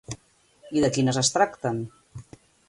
I de quines es tracten?